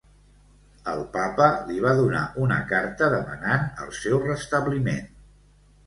El papa li va donar una carta demanant el seu restabliment.